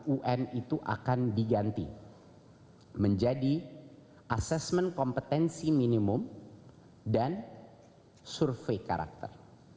un itu akan diganti menjadi asesmen kompetensi minimum dan survei karakter